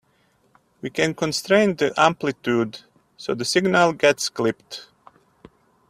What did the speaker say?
We can constrain the amplitude so that the signal gets clipped.